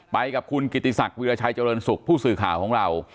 ไปกับคุณกิติศักดิราชัยเจริญสุขผู้สื่อข่าวของเรา